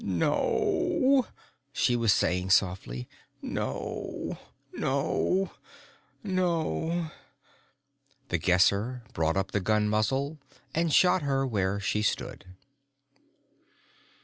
"No," she was saying softly. "No, no, no." The Guesser brought up the gun muzzle and shot her where she stood.